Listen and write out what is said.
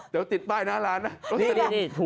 เดี๋ยวติดป้ายหน้าร้านนะรสดี